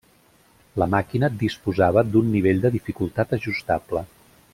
La màquina disposava d'un nivell de dificultat ajustable.